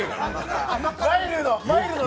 マイルド！